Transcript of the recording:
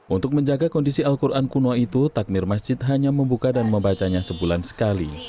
untuk menjaga kondisi al quran kuno itu takmir masjid hanya membuka dan membacanya sebulan sekali